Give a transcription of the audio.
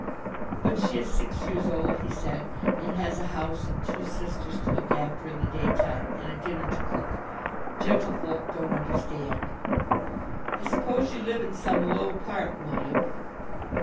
"But she is six years old," he said, "and has a house and two sisters to look after in the daytime, and a dinner to cook. Gentlefolk don't understand." "I suppose you live in some low part, William."